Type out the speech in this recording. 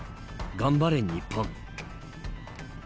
頑張れ日本。